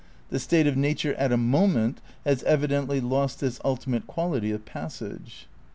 The state of nature 'at a moment' has evidently lost this ultimate quality of passage."